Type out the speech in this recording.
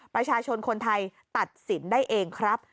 ประชาชนคนไทยตัดสินได้เองครับ